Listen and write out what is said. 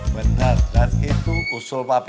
beneran itu usul papi